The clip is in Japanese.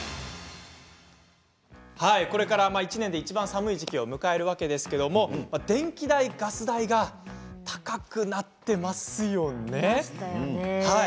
これから１年でいちばん寒い時期を迎えるわけですけれど電気代、ガス代が高くなってますよね。